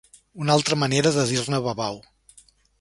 Una altra manera de dir-ne babau.